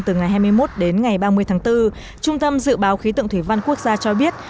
từ ngày hai mươi một đến ngày ba mươi tháng bốn trung tâm dự báo khí tượng thủy văn quốc gia cho biết